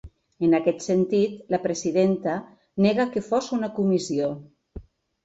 En aquest sentit, la presidenta nega que fos una comissió.